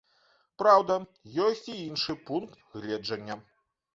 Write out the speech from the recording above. Праўда, ёсць і іншы пункт гледжання.